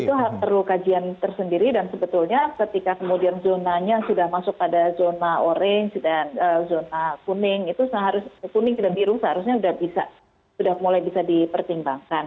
itu perlu kajian tersendiri dan sebetulnya ketika kemudian zonanya sudah masuk pada zona orange dan zona kuning itu seharusnya kuning dan biru seharusnya sudah mulai bisa dipertimbangkan